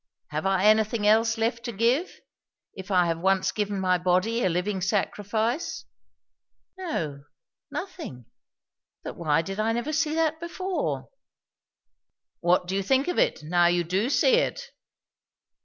Have I anything else left to give, if I have once given my body a living sacrifice?" "No. Nothing. But why did I never see that before?" "What do you think of it, now you do see it?"